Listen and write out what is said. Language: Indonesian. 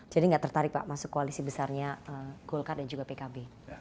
jadi nggak tertarik pak masuk koalisi besarnya golkar dan juga pkb